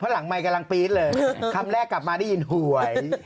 หลังไมค์กำลังปี๊ดเลยคำแรกกลับมาได้ยินหวย